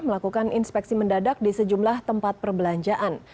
melakukan inspeksi mendadak di sejumlah tempat perbelanjaan